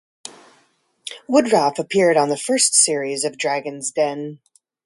Woodroffe appeared on the first series of Dragons' Den.